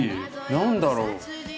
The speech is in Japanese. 何だろう？